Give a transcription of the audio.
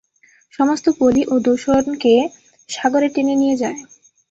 সমস্ত পলি ও দূষণকে সাগরে টেনে নিয়ে যায়।